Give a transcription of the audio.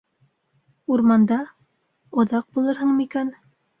Урманда... оҙаҡ булырһың микән?